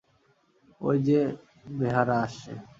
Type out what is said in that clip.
ঐ-যে বেহারা আসছে!